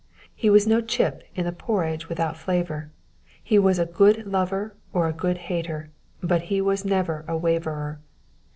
He was no chip in the porridge without flavour ; he was a ^ood lover or a good hater, but he was never a waverer.